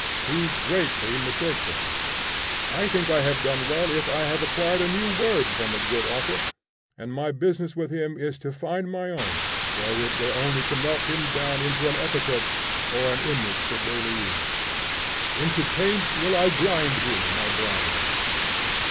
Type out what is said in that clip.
He greatly mistakes us. I think I have done well if I have acquired a new word from a good author; and my business with him is to find my own, though it were only to melt him down into an epithet or an image for daily use: "Into paint will I grind thee, my bride!"